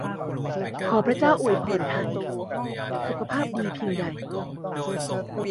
ขอพระเจ้าอวยพรท่านสุขภาพดีเพียงใด !